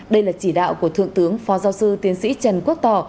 đây là chỉ đạo của thượng tướng phó giáo sư tiến sĩ trần quốc tỏ